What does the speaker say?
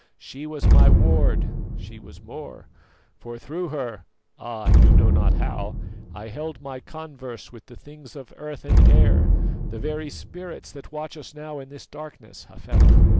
She was my ward: she was more; for through her ah! you know not how I held my converse with the things of earth and air, the very spirits that watch us now in this darkness, Hafela.